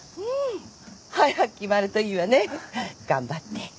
うん早く決まるといいわね頑張って。